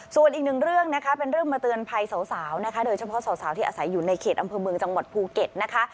ส่วนอีกหนึ่งเรื่องนะคะเป็นเรื่องมาเตือนภัยสาวนะคะโดยเฉพาะสาวที่อาศัยอยู่ในเขตอำเภอเมืองจังหวัดภูเก็ตนะคะ